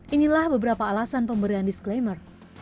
inilah beberapa alasan pemberian disclaimer